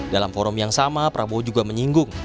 dalam forum yang sama prabowo juga menyinggung